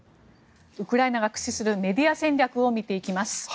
ウクライナが駆使するメディア戦略を見ていきます。